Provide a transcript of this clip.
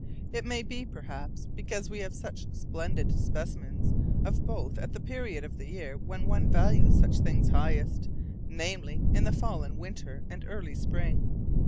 It may be, perhaps, because we have such splendid specimens of both at the period of the year when one values such things highest, namely, in the fall and winter and early spring.